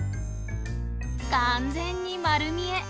完全に丸見え！